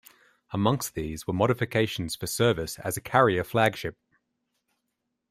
Amongst these were modifications for service as a carrier flagship.